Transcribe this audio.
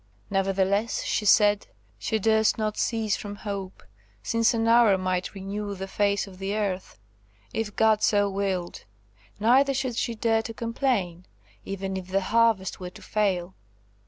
Nevertheless she said she durst not cease from hope, since an hour might renew the face of the earth, if God so willed; neither should she dare to complain, even if the harvest were to fail.